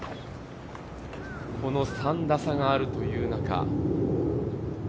この３打差があるという中。